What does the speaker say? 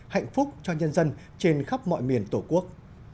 hạnh phúc cho nhân dân trên khắp mọi miền tổ quốc